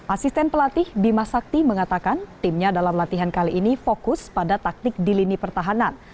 asisten pelatih bima sakti mengatakan timnya dalam latihan kali ini fokus pada taktik di lini pertahanan